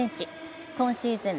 今シーズン